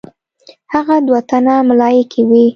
هغه دوه تنه ملایکې وې.